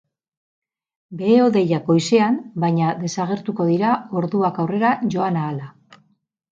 Behe-hodeiak goizean, baina desagertuko dira orduak aurrera joan ahala.